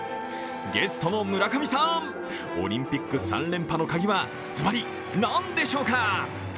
ゲストの村上さん、オリンピック３連覇のカギはずばり、何でしょうか？